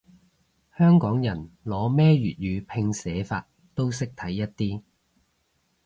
香港人，攞咩粵語拼寫法都識睇一啲